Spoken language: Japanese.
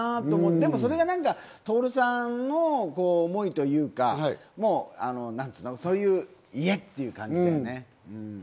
でも、それが徹さんの思いというか、そういう家という感じだよね。